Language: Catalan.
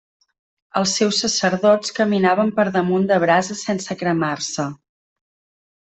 Els seus sacerdots caminaven per damunt de brases sense cremar-se.